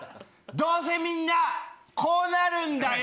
どうせみんなこうなるんだよ！